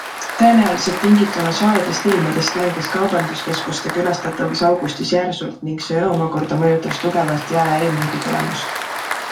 Tõenäoliselt tingituna soojadest ilmadest langes kaubanduskeskuste külastatavus augustis järsult ning see omakorda mõjutas tugevalt jaeäri müügitulemust.